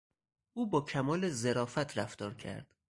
او با کمال ظرافت رفتار کرد.